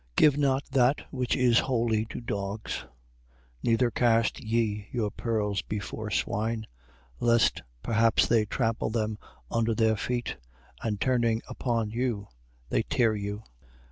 7:6. Give not that which is holy to dogs; neither cast ye your pearls before swine, lest perhaps they trample them under their feet, and turning upon you, they tear you.